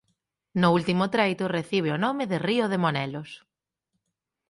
No último treito recibe o nome de río de Monelos.